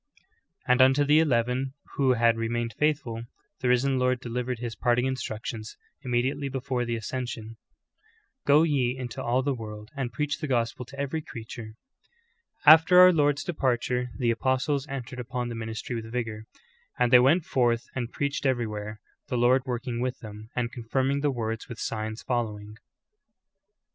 "' And unto the eleven who had remained faithful, the Risen Lord delivered His parting instructions, immediately before the ascension : "Go ye in to all the world and j)reacli the gospel to every creature." After our Lcjrd's departure the apostles entered upon tlic ministry with vigor: "And they went forth and preached everywhere, the Lord working with them, and confirming the word with signs following."